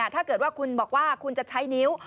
ถ้าเกิดว่าคุณบอกว่าคุณจะใช้นิ้ว